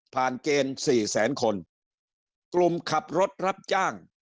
เกณฑ์สี่แสนคนกลุ่มขับรถรับจ้าง